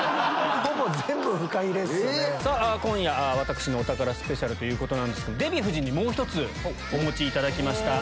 今夜「私のお宝ＳＰ」ということなんですけどデヴィ夫人にもう１つお持ちいただきました。